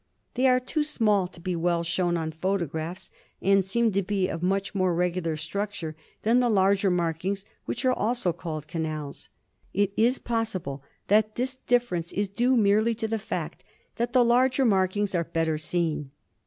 They are too small to be well shown on photographs and seem to be of much more regular structure than the larger markings, which are also called canals. It is possible that this difference is due merely to the fact that the larger markings are better seen.